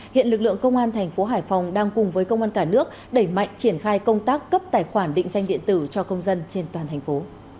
hiện lực lượng công an thành phố hải phòng đang cùng với công an cả nước đẩy mạnh triển khai công tác cấp tài khoản định danh điện tử cho công dân trên toàn thành phố